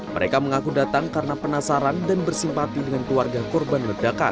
mereka mengaku datang karena penasaran dan bersimpati dengan keluarga korban ledakan